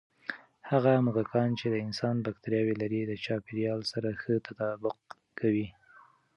هغه موږکان چې د انسان بکتریاوې لري، د چاپېریال سره ښه تطابق کوي.